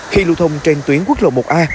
khi lưu thông trên tuyến quốc lộ một a